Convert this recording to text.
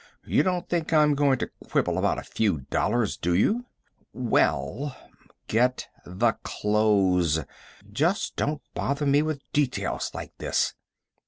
You don't think I'm going to quibble about a few dollars, do you?" "Well " "Get the clothes. Just don't bother me with details like this.